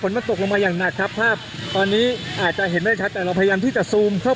ทางกลุ่มมวลชนทะลุฟ้าทางกลุ่มมวลชนทะลุฟ้า